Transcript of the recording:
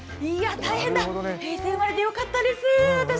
大変だ、平成生まれでよかったです